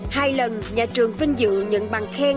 hai lần nhà trường vinh dự nhận bằng khen